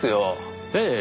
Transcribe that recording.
ええ。